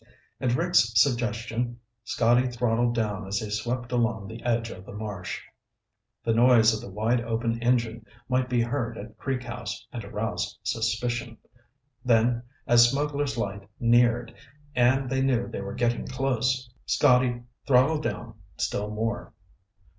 At Rick's suggestion, Scotty throttled down as they swept along the edge of the marsh. The noise of the wide open engine might be heard at Creek House and arouse suspicion. Then, as Smugglers' Light neared and they knew they were getting close, Scotty throttled down still more.